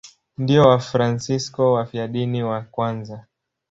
Ndio Wafransisko wafiadini wa kwanza.